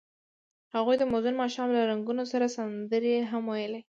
هغوی د موزون ماښام له رنګونو سره سندرې هم ویلې.